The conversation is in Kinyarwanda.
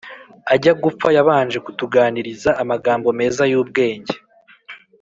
Ajya gupfa yabanje kutuganiriza amagambo meza y’ubwenge